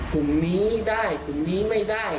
กลุ่มนี้ได้กลุ่มนี้ไม่ได้